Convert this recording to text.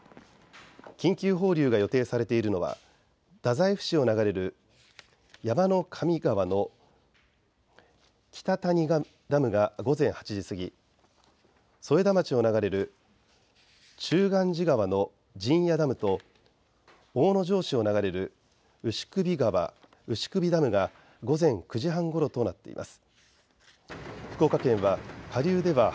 緊急放流が予定されているのは太宰府市を流れるやまのかみがわの北谷川ダムが午前８時過ぎ、添田町を流れる中元寺川の陣屋ダムと大野城市を流れる牛頸川牛頸ダムが午前９時半ごろとなっています。